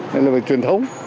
đây là về truyền thống